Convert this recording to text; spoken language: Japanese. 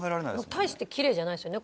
大してキレイじゃないですよね